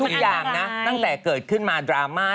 อีกอย่างนะตั้งแต่เกิดขึ้นมาดราม่า